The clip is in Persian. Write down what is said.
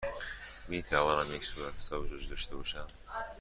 می توانم یک صورتحساب جزئی داشته باشم؟